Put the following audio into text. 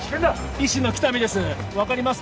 医師の喜多見です